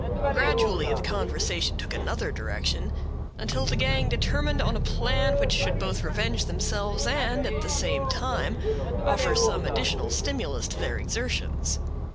Gradually, the conversation took another direction, until the gang determined on a plan which should both revenge themselves, and at the same time offer some additional stimulus to their exertions.